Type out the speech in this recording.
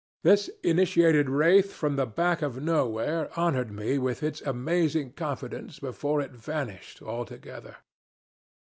This initiated wraith from the back of Nowhere honored me with its amazing confidence before it vanished altogether.